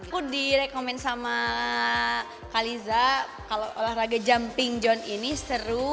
aku direkomen sama kaliza kalau olahraga jumping john ini seru